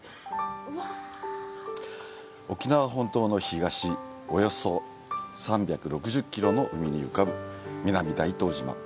沖縄本島の東、およそ３６０キロの海に浮かぶ南大東島。